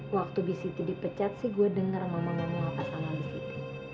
waktu bisiti dipecat sih gue denger mama ngomong apa sama bisiti